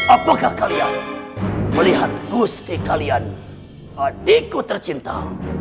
apakah kalian melihat gusti kalian adikku tercinta